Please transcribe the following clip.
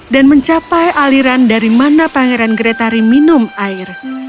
dan mencapai aliran dari mana pangeran geretari minum air